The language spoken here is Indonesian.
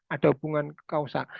ada hubungan kausa